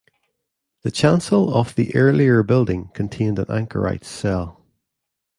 The chancel of the earlier building contained an anchorite's cell.